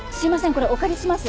これお借りします。